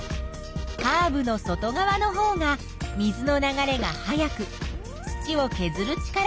カーブの外側のほうが水の流れが速く土をけずる力が大きい。